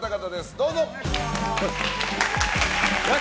どうぞ！